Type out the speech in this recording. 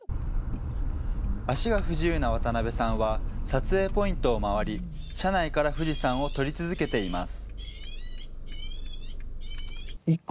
足が不自由な渡辺さんは、撮影ポイントを周り、車内から富士山を撮り続けています。